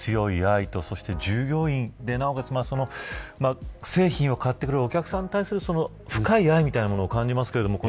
従業員で、なおかつ製品を買ってくれるお客さんに対する深い愛みたいなものも感じます。